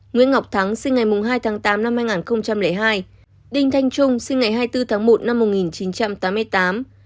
nguyễn ngọc thắng sinh ngày hai tám hai nghìn hai đinh thanh trung sinh ngày hai mươi bốn một một nghìn chín trăm tám mươi tám